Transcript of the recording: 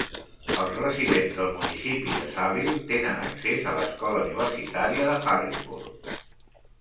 Els residents del municipi de Saville tenen accés a l'Escola Universitària de Harrisburg.